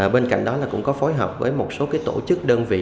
bên cạnh đó là cũng có phối hợp với một số tổ chức đơn vị